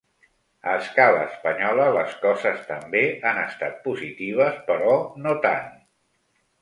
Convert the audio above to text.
A escala espanyola, les coses també han estat positives, però no tant.